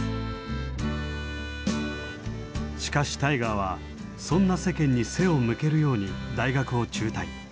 しかしタイガーはそんな世間に背を向けるように大学を中退。